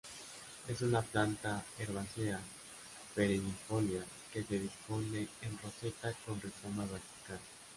Es una planta herbácea perennifolia que se dispone en roseta con rizoma vertical.